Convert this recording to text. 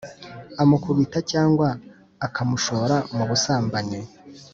amukubita cyangwa akamushora m’ubusambanyi.